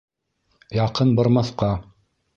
— Яҡын бармаҫҡа!